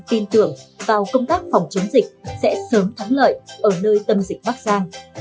tin tưởng vào công tác phòng chống dịch sẽ sớm thắng lợi ở nơi tâm dịch bắc giang